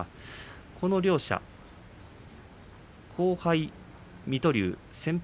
この両者、後輩水戸龍先輩